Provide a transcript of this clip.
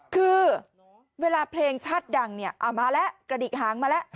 คือเวลาเพลงชาติดังเนี่ยเอามาแล้วกระดิกหางมาแล้ว